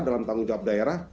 dalam tanggung jawab daerah